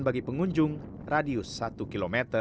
bagi pengunjung radius satu km